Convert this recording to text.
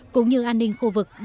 cũng như an ninh khu vực